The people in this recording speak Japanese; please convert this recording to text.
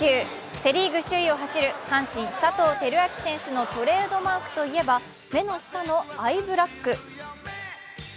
セ・リーグ首位を走る阪神・佐藤輝明選手のトレードマークと言えば目の下のアイブラック。